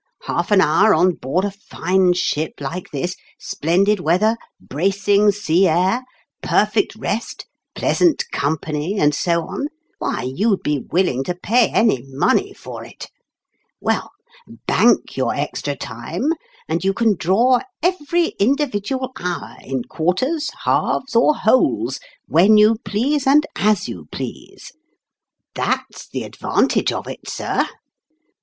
Half an hour on board a fine ship like this, splendid weather, bracing sea air, perfect rest, pleasant company, and so on why, you'd be willing to pay any money for it ! Well, bank your extra time ; and you can draw every individual hour in quarters, halves, or wholes, when you please and as you please. That's the advantage of it, sir